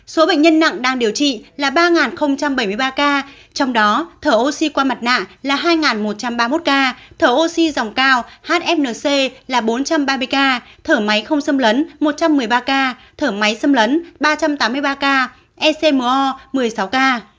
số bệnh nhân nặng đang điều trị là ba bảy mươi ba ca trong đó thở oxy qua mặt nạ là hai một trăm ba mươi một ca thở oxy dòng cao hfnc là bốn trăm ba mươi ca thở máy không xâm lấn một trăm một mươi ba ca thở máy xâm lấn ba trăm tám mươi ba ca ecmo một mươi sáu ca